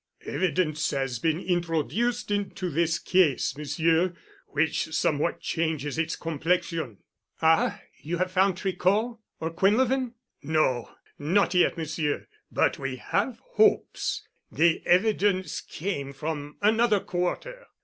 "Evidence has been introduced into this case, Monsieur, which somewhat changes its complexion." "Ah! You have found Tricot? Or Quinlevin?" "No—not yet, Monsieur. But we have hopes. The evidence came from another quarter.